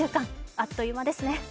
あっという間ですね。